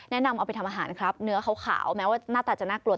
แนะนำเอาไปทำอาหารครับเนื้อขาวแม้ว่าหน้าตาจะน่ากลัว